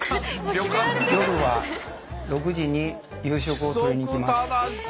夜は６時に夕食をとりにきます。